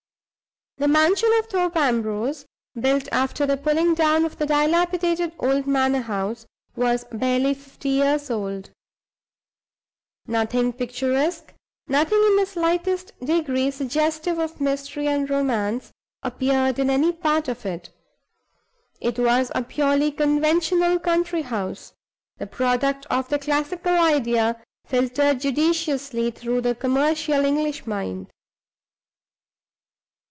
The mansion of Thorpe Ambrose (built after the pulling down of the dilapidated old manor house) was barely fifty years old. Nothing picturesque, nothing in the slightest degree suggestive of mystery and romance, appeared in any part of it. It was a purely conventional country house the product of the classical idea filtered judiciously through the commercial English mind.